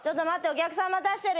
お客さん待たしてる。